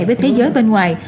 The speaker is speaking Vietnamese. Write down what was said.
với thế giới bên ngoài